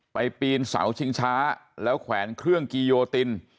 ปีนเสาชิงช้าแล้วแขวนเครื่องกิโยติน